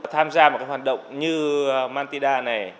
tham gia một hoạt động như matinda này